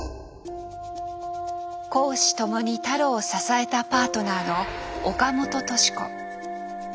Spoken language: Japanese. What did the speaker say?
公私共に太郎を支えたパートナーの岡本敏子。